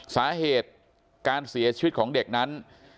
สาเหตุการเสียชีวิตของเด็กนั้น